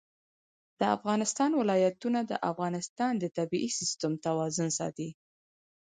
د افغانستان ولايتونه د افغانستان د طبعي سیسټم توازن ساتي.